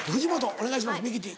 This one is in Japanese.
お願いしますミキティ。